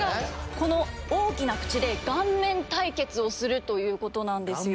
この大きな口で顔面対決をするということなんですよ。